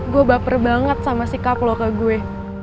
gue baper banget sama sikap lo ke gue